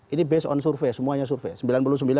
ini based on survei semuanya survei